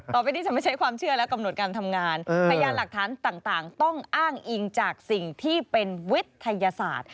ต่อไปนี้จะไม่ใช้ความเชื่อและกำหนดการทำงานพยานหลักฐานต่างต้องอ้างอิงจากสิ่งที่เป็นวิทยาศาสตร์